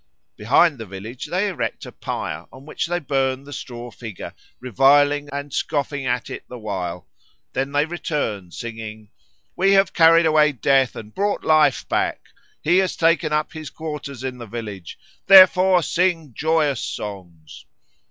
Behind the village they erect a pyre, on which they burn the straw figure, reviling and scoffing at it the while. Then they return, singing "We have carried away Death, And brought Life back. He has taken up his quarters in the village, Therefore sing joyous songs."